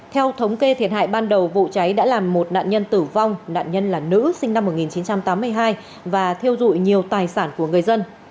theo thống kê thiệt hại ban đầu vụ cháy đã làm một nạn nhân tử vong nạn nhân là nữ sinh năm một nghìn chín trăm tám mươi hai và thiêu dụi nhiều tài sản của người dân